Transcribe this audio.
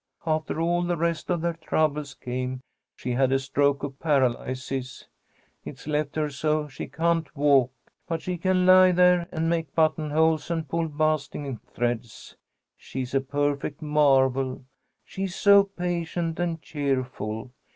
After all the rest of their troubles came, she had a stroke of paralysis. It's left her so she can't walk. But she can lie there and make buttonholes and pull basting threads. She's a perfect marvel, she's so patient and cheerful.